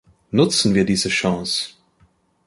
Nutzen wir diese Chance!